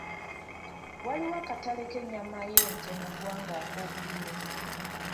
Waliwo akatale k'ennyama y'ente mu ggwanga ak'obuliwo.